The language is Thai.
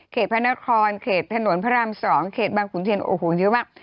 เขตพระนครเขตถนนพระรามสองเขตบังขุมเชียนโอ้โหชื่อมาก